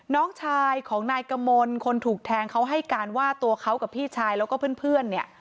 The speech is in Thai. น้องชายของนายกะมนต์คนถูกแทงเขาให้การว่าตัวเขากับพี่ชายและเพื่อน